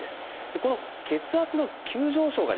この血圧の急上昇がですね